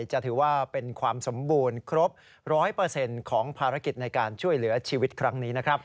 จะถือว่าเป็นความสมบูรณ์ครบ๑๐๐ของภารกิจในการช่วยเหลือชีวิตครั้งนี้นะครับ